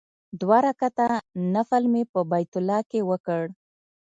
دوه رکعاته نفل مې په بیت الله کې وکړ.